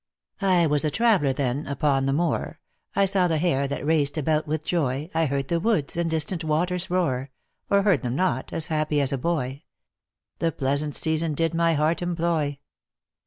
I was a traveler, then, upon the moor, I saw the hare that raced about with joy, I heard the woods and distant waters roar, Or heard them not, as happy as a boy ; The pleasant season did my heart employ.